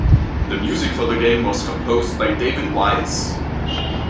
The music for the game was composed by David Wise.